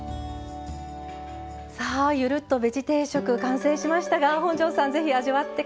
さあゆるっとベジ定食完成しましたが本上さんぜひ味わって下さい。